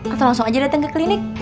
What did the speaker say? atau langsung aja datang ke klinik